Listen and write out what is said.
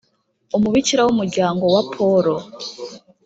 umubikira wumuryango wa polo